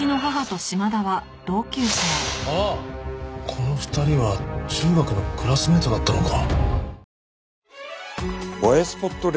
この２人は中学のクラスメートだったのか。